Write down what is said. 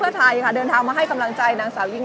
และที่อยู่ด้านหลังคุณยิ่งรักนะคะก็คือนางสาวคัตยาสวัสดีผลนะคะ